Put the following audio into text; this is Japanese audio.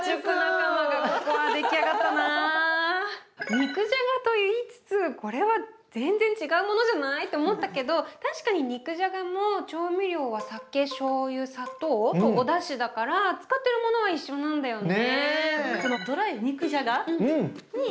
肉じゃがと言いつつこれは全然違うものじゃないって思ったけど確かに肉じゃがも調味料は酒しょうゆ砂糖とおだしだから使ってるものは一緒なんだよね。ね。